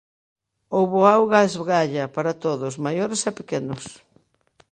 Houbo auga a esgalla para todos, maiores e pequenos.